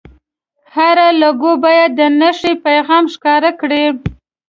هره لوګو باید د نښې پیغام ښکاره کړي.